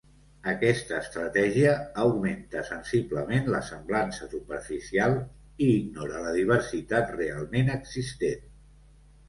Aquesta estratègia augmenta sensiblement la semblança superficial i ignora la diversitat realment existent.